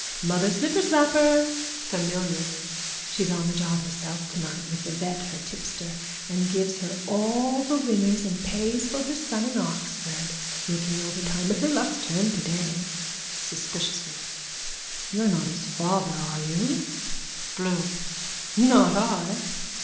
Mother Slipperslapper. (Familiarly.) She's on the job herself tonight with the vet her tipster that gives her all the winners and pays for her son in Oxford. Working overtime but her luck's turned today. (Suspiciously.) You're not his father, are you? BLOOM: Not I!